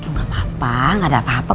itu gak apa apa gak ada apa apa